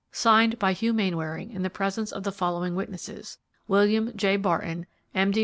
"Signed by Hugh Mainwaring in the presence of the following witnesses: William J. Barton, M. D.